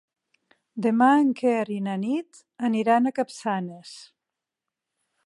Demà en Quer i na Nit aniran a Capçanes.